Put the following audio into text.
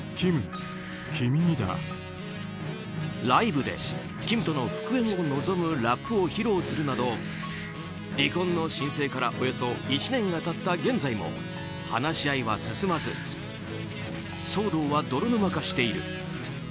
ライブで、キムとの復縁を望むラップを披露するなど離婚の申請からおよそ１年が経った現在も話し合いは進まず騒動は泥沼化している。